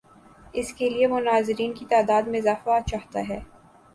اس کے لیے وہ ناظرین کی تعداد میں اضافہ چاہتا ہے۔